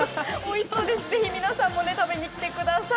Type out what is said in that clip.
ぜひ皆さんも食べに来てください。